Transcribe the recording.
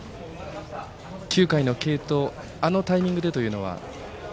９回の継投あのタイミングでというのは？